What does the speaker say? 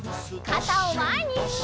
かたをまえに！